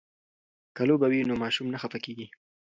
که لوبه وي نو ماشوم نه خفه کیږي.